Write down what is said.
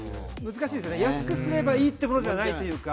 難しいですよね。安くすればいいっていうものじゃないっていうか。